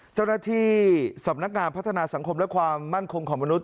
เจ้าหน้าที่สำนักงานพัฒนาสังคมและความมั่นคงของมนุษ